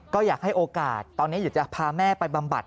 ก็อยากให้โอกาสตอนนี้อยากจะพาแม่ไปบำบัด